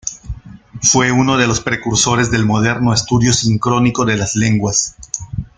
Fue uno de los precursores del moderno estudio sincrónico de las lenguas.